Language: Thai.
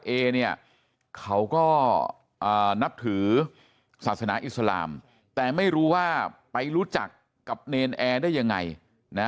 เอเนี่ยเขาก็นับถือศาสนาอิสลามแต่ไม่รู้ว่าไปรู้จักกับเนรนแอร์ได้ยังไงนะ